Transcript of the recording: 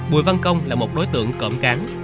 bùi văn công là một đối tượng cỡm cán